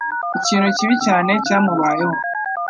Ikintu kibi cyane cyamubayeho.